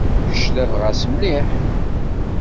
Kečč d abɣas mliḥ.